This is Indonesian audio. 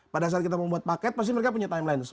pada saat kita membuat paket pasti mereka punya timelines